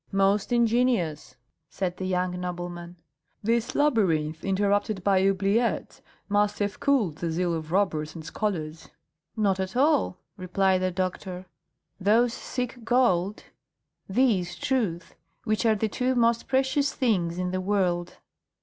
"Most ingenious!" said the young nobleman. "This labyrinth, interrupted by oubliettes, must have cooled the zeal of robbers and scholars." "Not at all," replied the doctor. "Those seek gold, these truth, which are the two most precious things in the world."